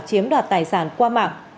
chiếm đoạt tài sản qua mạng